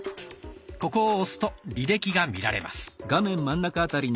ここを押すと履歴が見られます。